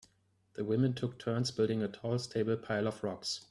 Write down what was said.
The women took turns building a tall stable pile of rocks.